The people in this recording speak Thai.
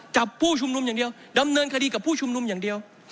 ผู้ชุมนุมอย่างเดียวดำเนินคดีกับผู้ชุมนุมอย่างเดียว